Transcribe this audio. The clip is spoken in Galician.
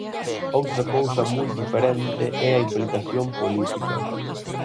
Outra cousa moi diferente é a implicación política.